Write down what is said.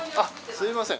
すみません。